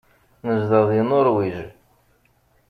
Nezdeɣ deg Nuṛwij.